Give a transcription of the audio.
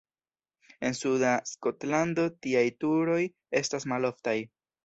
En suda Skotlando tiaj turoj estas maloftaj.